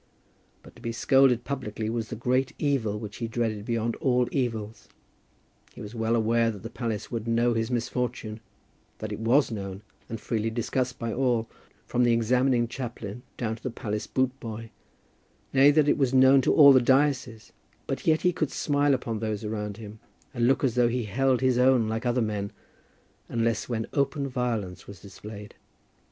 But to be scolded publicly was the great evil which he dreaded beyond all evils. He was well aware that the palace would know his misfortune, that it was known, and freely discussed by all, from the examining chaplain down to the palace boot boy; nay, that it was known to all the diocese; but yet he could smile upon those around him, and look as though he held his own like other men, unless when open violence was displayed.